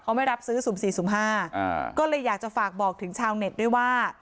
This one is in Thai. เขาไม่รับซื้อสุ่มสี่สุ่มห้าก็เลยอยากจะฝากบอกถึงชาวเน็ตด้วยว่า